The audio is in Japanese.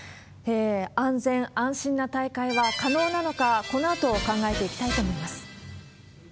安全安心な大会は可能なのか、このあと考えていきたいと思います。